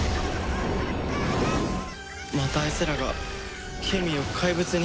またあいつらがケミーを怪物に。